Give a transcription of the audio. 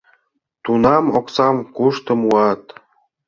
Тунам оксам кушто муат?